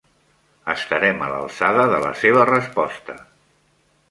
Estarem a l'alçada de la seva resposta.